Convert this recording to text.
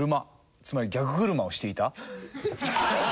つまり逆車をしていた。